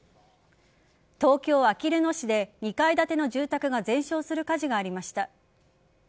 東京・あきる野市で２階建ての住宅が全焼する火事がありました。